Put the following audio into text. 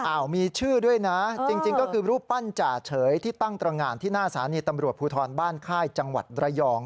มีชื่อด้วยนะจริงก็คือรูปปั้นจ่าเฉยที่ตั้งตรงานที่หน้าสถานีตำรวจภูทรบ้านค่ายจังหวัดระยอง